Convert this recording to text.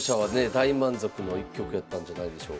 大満足の一局やったんじゃないでしょうか。